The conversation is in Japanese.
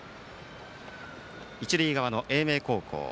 一塁側の英明高校。